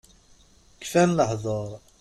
Kfan lehdur.